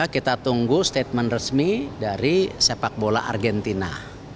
kita tunggu statement resmi dari sepak bola argentina